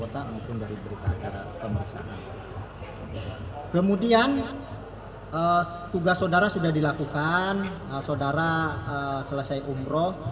berita acaranya pemeriksaan atau hai kemudian tugas saudara sudah dilakukan saudara selesai umroh